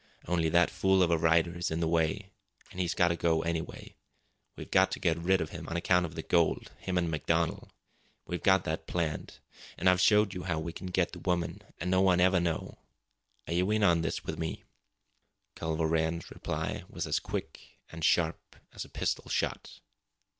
Only that fool of a writer is in the way an' he's got to go anyway. We've got to get rid of him on account of the gold, him an' MacDonald. We've got that planned. An' I've showed you how we can get the woman, an' no one ever know. Are you in on this with me?" Culver Rann's reply was as quick and sharp as a pistol shot.